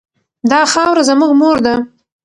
دا خاوره زموږ مور ده.